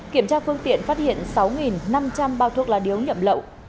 kiểm tra phương tiện phát hiện sáu năm trăm linh bao thuốc lá điếu nhập lậu